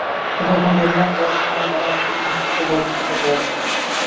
তবে এখন ডেনমার্ক যাওয়ার সময় বাংলাদেশের জিনিসপত্রে ভরা থাকে তাঁর ব্যাগ।